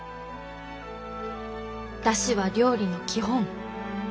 出汁は料理の基本。